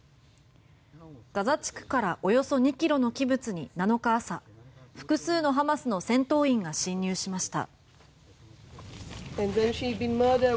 ガザ地区からおよそ２ｋｍのキブツに７日朝複数のハマスの戦闘員が侵入しました。